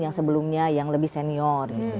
yang sebelumnya yang lebih senior